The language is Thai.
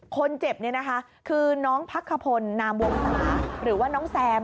คนเจ็บเนี่ยนะคะคือน้องพักขพลนามวงศาหรือว่าน้องแซม